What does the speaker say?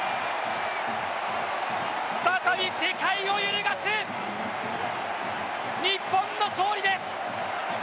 再び世界を揺るがす日本の勝利です！